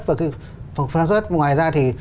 và phục vụ sản xuất ngoài ra thì